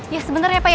ya sebentar ya pak